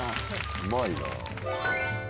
うまいな。